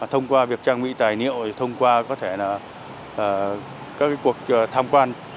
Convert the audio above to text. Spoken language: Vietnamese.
thông qua việc trang bị tài niệm thông qua có thể là các cuộc tham quan